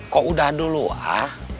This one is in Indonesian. kok udah dulu ah